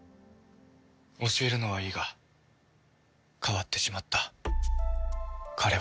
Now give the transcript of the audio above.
教えるのはいいが変わってしまった彼は。